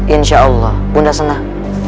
insya allah bunda senang